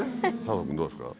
佐藤君どうですか？